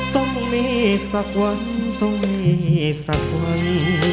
ต้องมีสักวันต้องมีสักวัน